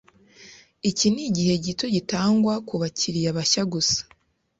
Iki nigihe gito gitangwa kubakiriya bashya gusa.